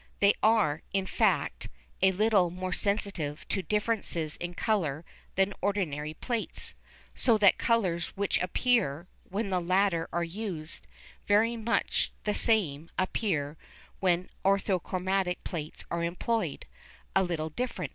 They are, in fact, a little more sensitive to differences in colour than ordinary plates, so that colours which appear, when the latter are used, very much the same, appear, when orthochromatic plates are employed, a little different.